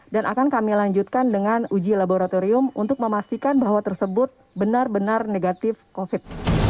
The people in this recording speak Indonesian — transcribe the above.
dan akan kami lanjutkan dengan uji laboratorium untuk memastikan bahwa tersebut benar benar negatif covid sembilan belas